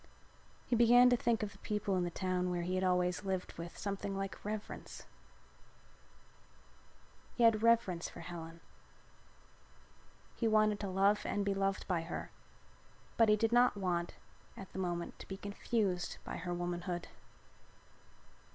He began to think of the people in the town where he had always lived with something like reverence. He had reverence for Helen. He wanted to love and to be loved by her, but he did not want at the moment to be confused by her womanhood.